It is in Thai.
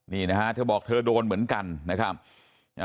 นี่นะฮะเธอบอกเธอโดนเหมือนกันนะครับอ่า